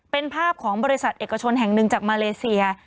เป็นภาพของบริษัทเอกชนแห่งหนึ่งจากมาเลเซีย